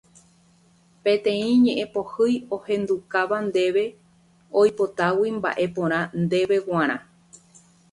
Peteĩ ñe'ẽpohýi ohendukáva ndéve oipotágui mba'e porã ndéve g̃uarã